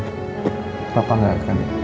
kenapa gak kan